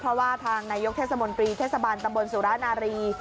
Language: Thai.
เพราะว่าทางนายกเทศมนตรีเทศบาลตำบลสุรนารี